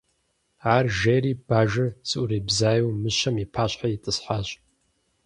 Ар жери бажэр зыӏурыбзаеу мыщэм и пащхьэ итӏысхьащ.